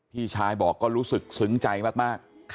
พี่ชายบอกก็รู้สึกซึ้งใจมาก